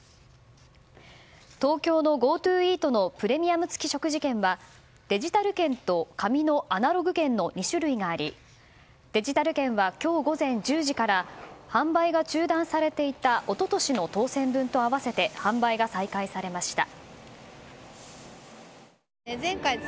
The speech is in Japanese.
東京のＧｏＴｏイートのプレミアム付食事券はデジタル券と紙のアナログ券の２種類がありデジタル券は今日午前１０時から販売が中断されていた一昨日の当選分と合わせて販売が再開されました。